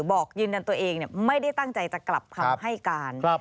บอกยืนยันตัวเองไม่ได้ตั้งใจจะกลับคำให้การ